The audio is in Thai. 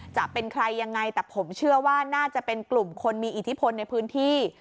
จะเป็นใครยังไงแต่ผมเชื่อว่าน่าจะเป็นกลุ่มคนมีอิทธิพลในพื้นที่